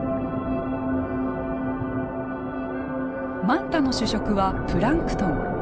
マンタの主食はプランクトン。